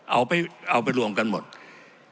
เอาไปรวมกันหมด